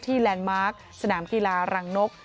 แลนด์มาร์คสนามกีฬารังนก